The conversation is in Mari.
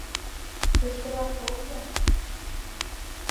Тышкырак тол-ян!